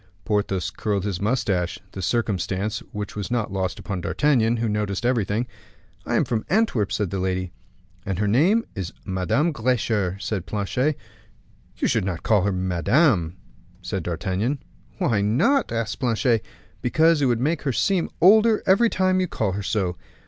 Porthos curled his mustache, a circumstance which was not lost upon D'Artagnan, who noticed everything. "I am from Antwerp," said the lady. "And her name is Madame Getcher," said Planchet. "You should not call her madame," said D'Artagnan. "Why not?" asked Planchet. "Because it would make her seem older every time you call her so."